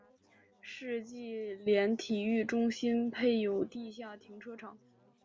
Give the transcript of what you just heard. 世纪莲体育中心配有地下停车场。